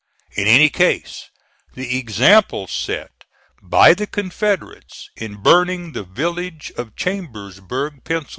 In any case, the example set by the Confederates in burning the village of Chambersburg, Pa.